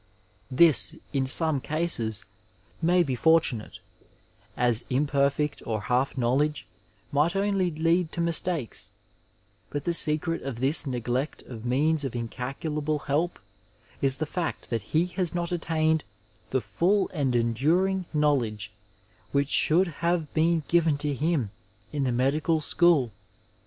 This in some cases may be fortunate, as imperfect or half knowledge might only lead to mistakes, but the secret of this neglect of means of incalculable help is the bet that 868 Digitized by VjOOQIC ON THE EDUCATIONAL VALUE he has not attained the full and endiuJng knowledge which should have been given to him in the medical school.